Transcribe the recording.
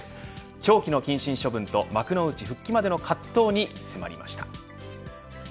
長期の謹慎処分と幕の内復帰までの葛藤に迫りました。